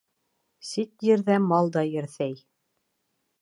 Сит ерҙә мал да ерҫәй.